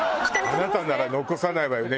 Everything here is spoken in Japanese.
「あなたなら残さないわよね？」